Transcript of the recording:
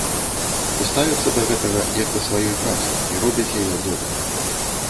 І ставяцца да гэтага як да сваёй працы і робяць яе добра.